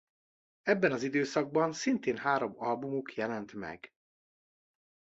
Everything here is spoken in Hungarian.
Ebben az időszakban szintén három albumuk jelent meg.